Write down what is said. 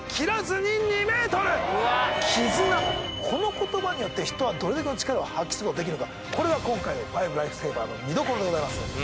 絆この言葉によって人はどれだけの力を発揮することができるのかこれが今回の『５ライフセイバーズ』の見どころでございます。